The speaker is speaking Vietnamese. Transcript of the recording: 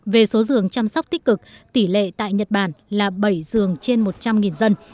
về số giường chăm sóc tích cực tỷ lệ tại nhật bản là bảy giường trên một trăm linh dân